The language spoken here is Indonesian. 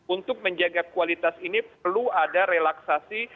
untuk menjaga kualitas ini perlu ada relaksasi